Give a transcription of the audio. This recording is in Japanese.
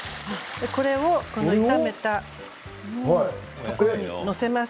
これを炒めたところに載せます。